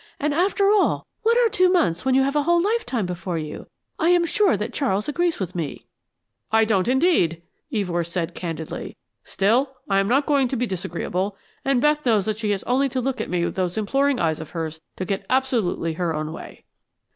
And, after all, what are two months when you have a whole lifetime before you? I am sure that Charles agrees with me." "I don't, indeed," Evors said, candidly. "Still, I am not going to be disagreeable, and Beth knows that she has only to look at me with those imploring eyes of hers to get absolutely her own way."